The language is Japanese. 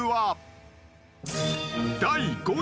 ［第５位。